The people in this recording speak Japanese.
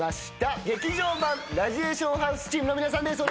劇場版ラジエーションハウスチームの皆さんです